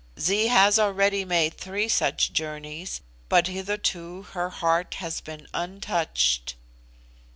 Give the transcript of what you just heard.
Zee has already made three such journeys, but hitherto her heart has been untouched."